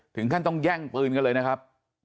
ถึงขั้นต้องแย่งปืนกันเลยนะครับ